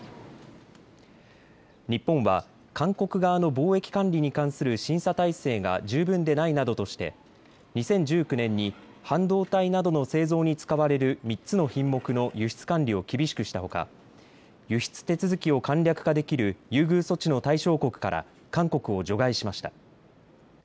日本は韓国側の貿易管理に関する審査体制が十分でないなどとして２０１９年に半導体などの製造に使われる３つの品目の輸出管理を厳しくしたほか輸出手続きを簡略化できる優遇措置の対象国から韓国を除外しました。